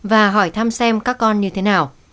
và hỏi thăm xem các con như thế nào